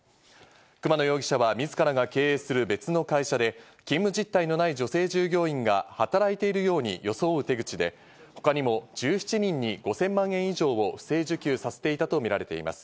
熊野容疑者は自らが経営する別の会社で勤務実態のない女性従業員が働いているように装う手口で、他にも１７人に５０００万円以上を不正受給させていたとみられています。